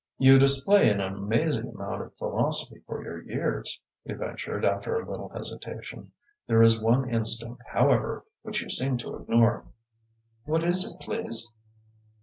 "You display an amazing amount of philosophy for your years," he ventured, after a little hesitation. "There is one instinct, however, which you seem to ignore." "What is it, please?"